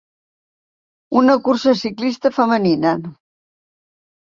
Una cursa ciclista femenina.